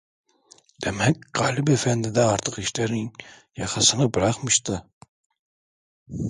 Demek Galip efendi de artık işlerin yakasını bırakmıştı.